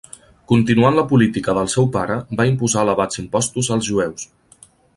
Continuant la política del seu pare va imposar elevats impostos als jueus.